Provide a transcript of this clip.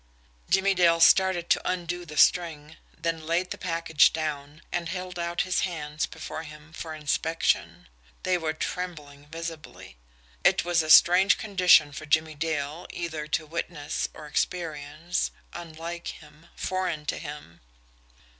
Jimmie Dale started to undo the string, then laid the package down, and held out his hands before him for inspection. They were trembling visibly. It was a strange condition for Jimmie Dale either to witness or experience, unlike him, foreign to him.